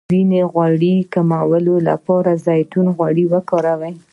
د وینې غوړ کمولو لپاره د زیتون غوړي وکاروئ